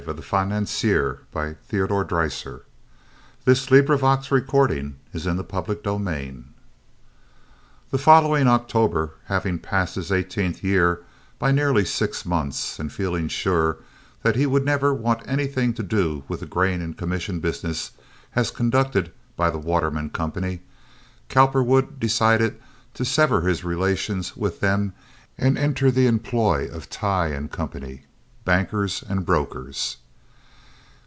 It was fine to be getting on this way in the world and having such a good time. Chapter V The following October, having passed his eighteenth year by nearly six months, and feeling sure that he would never want anything to do with the grain and commission business as conducted by the Waterman Company, Cowperwood decided to sever his relations with them and enter the employ of Tighe & Company, bankers and brokers.